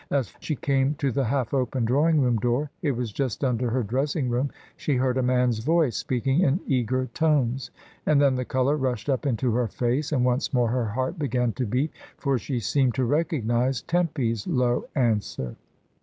As she came to the half open drawing room door (it was just under her dressing room) she heard a man's voice speaking in eager tones, and then the colour rushed up into her face and once more her heart began to beat, for she seemed to recognise Tempy's low answer.